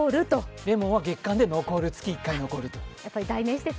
レモンは月刊で月１回残ると。